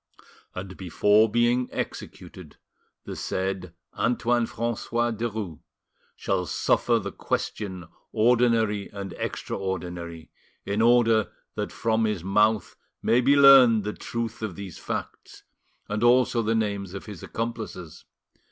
And, before being executed, the said Antoine Francois Derues shall suffer the question ordinary and extraordinary, in order that from his mouth may be learned the truth of these facts, and also the names of his accomplices.